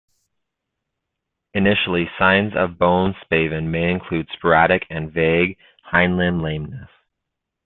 Initially, signs of bone spavin may include sporadic and vague hindlimb lameness.